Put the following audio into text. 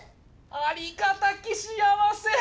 ありがたき幸せ！